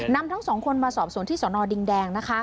นำทั้ง๒คนมาสอบสวนที่สอนอดิงแดง